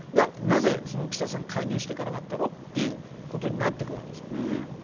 なぜ岸田さんに介入していかなかったの？っていうことになってくるんですね。